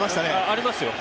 ありますよ。